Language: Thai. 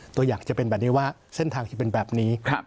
ตัวอยากจะเป็นแบบนี้ว่าเส้นทางที่เป็นแบบนี้